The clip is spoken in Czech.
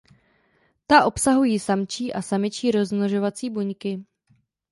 Ta obsahují samčí a samičí rozmnožovací buňky.